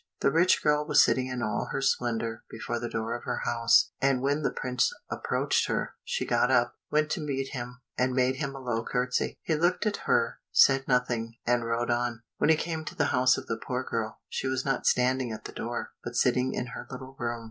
The rich girl was sitting in all her splendour before the door of her house, and when the prince approached her, she got up, went to meet him, and made him a low curtsey. He looked at her, said nothing, and rode on. When he came to the house of the poor girl, she was not standing at the door, but sitting in her little room.